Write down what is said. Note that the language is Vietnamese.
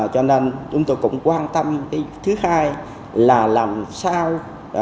cho nên chúng tôi cũng quan tâm thứ hai là làm sao